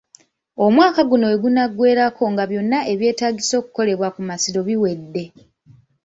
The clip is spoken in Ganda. Omwaka guno wegunaggwerako nga byonna ebyetaagisa okukolebwa ku Masiro biwedde.